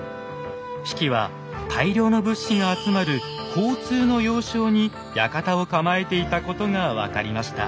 比企は大量の物資が集まる交通の要衝に館を構えていたことが分かりました。